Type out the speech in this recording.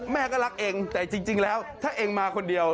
แม่ก็รักเองแต่จริงแล้วถ้าเองมาคนเดียว